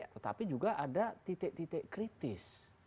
tetapi juga ada titik titik kritis